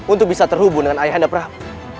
untuk bisa terhubung dengan ayah anda prap